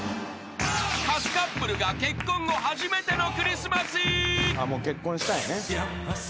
［カスカップルが結婚後初めてのクリスマス］